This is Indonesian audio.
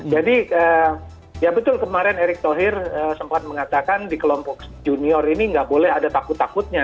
jadi ya betul kemarin eric thohir sempat mengatakan di kelompok junior ini nggak boleh ada takut takutnya